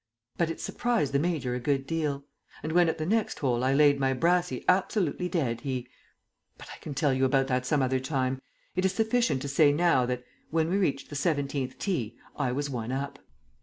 But it surprised the Major a good deal. And when at the next hole I laid my brassie absolutely dead, he But I can tell you about that some other time. It is sufficient to say now that, when we reached the seventeenth tee, I was one up.